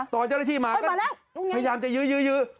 ตอนเจ้าหน้าที่มาก็พยายามจะยื้อยื้อ